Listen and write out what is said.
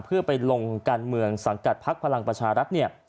เพื่อไปลงการเมืองสังกัดภักดิ์พลังประชารักษณ์